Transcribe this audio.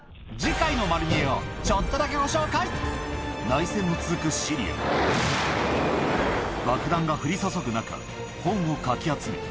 ちょっとだけご紹介内戦の続くシリア爆弾が降り注ぐ中本をかき集め